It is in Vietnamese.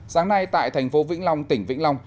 sáng nay tại thành phố vĩnh long tỉnh vĩnh long